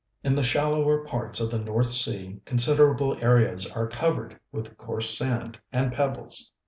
In the shallower parts of the North Sea considerable areas are covered with coarse sand and pebbles.